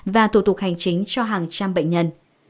và thủ tục hành chính cho hàng trăm bệnh nhân